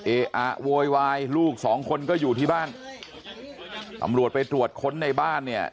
เออะโวยวายลูกสองคนก็อยู่ที่บ้านตำรวจไปตรวจค้นในบ้านเนี่ย